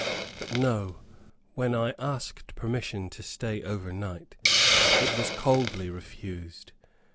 But no, when I asked permission to stay over night, it was coldly refused.